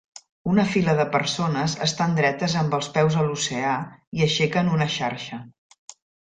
Una fila de persones estan dretes amb els peus a l'oceà, i aixequen una xarxa.